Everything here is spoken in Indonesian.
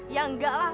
ya enggak lah